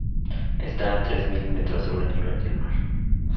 Está a tres mil metros sobre el nivel del mar.